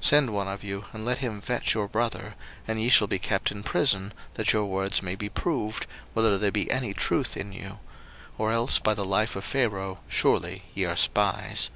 01:042:016 Send one of you, and let him fetch your brother, and ye shall be kept in prison, that your words may be proved, whether there be any truth in you: or else by the life of Pharaoh surely ye are spies.